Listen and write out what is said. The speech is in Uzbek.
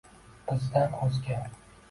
Bizdan o’zga